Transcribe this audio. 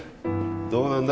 どうなんだ？